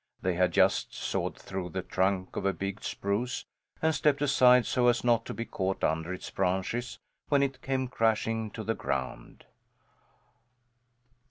They had just sawed through the trunk of a big spruce, and stepped aside so as not to be caught under its branches when it came crashing to the ground.